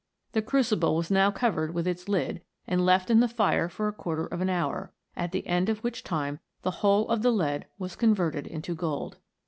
The crucible was now covered wifch its lid, and left in the fire for a quarter of an hour, at the end of which time the whole of the lead was con verted into gold.